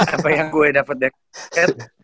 apa yang gue dapet dari basket